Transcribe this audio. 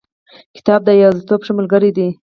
کتاب د یوازیتوب ښه ملګری دی.